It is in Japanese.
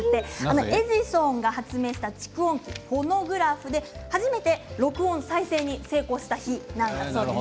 エジソンが発明した蓄音機、フォノグラフで初めて録音再生に成功した日なんだそうです。